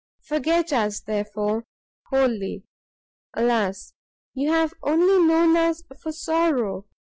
Forget us, therefore, wholly, alas! you have only known us for sorrow!